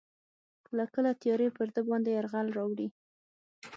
کله کله تیارې پر ده باندې یرغل راوړي.